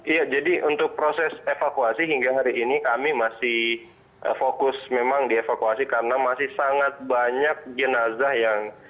iya jadi untuk proses evakuasi hingga hari ini kami masih fokus memang dievakuasi karena masih sangat banyak jenazah yang